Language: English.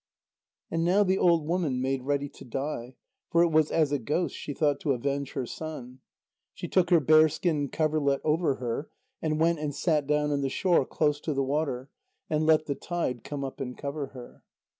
And now the old woman made ready to die, for it was as a ghost she thought to avenge her son. She took her bearskin coverlet over her, and went and sat down on the shore, close to the water, and let the tide come up and cover her.